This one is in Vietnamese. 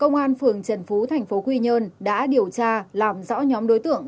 công an phường trần phú thành phố quy nhơn đã điều tra làm rõ nhóm đối tượng